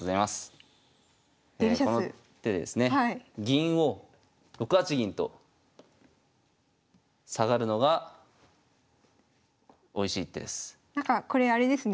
銀を６八銀と下がるのがおいしい一手です。